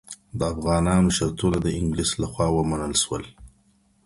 د افغانانو شرطونه د انګلیس له خوا ومنل شول.